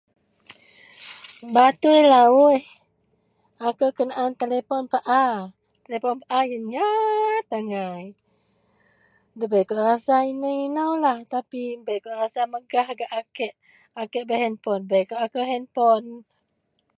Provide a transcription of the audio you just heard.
Batui lawuih ako kenaan telepon pa-a telepon paa nyat angai debei kawak rasa ino-ino lah tapi bei kawak rasa megah gak a kiek, a kiek bei hanpon akou puon bei hanpon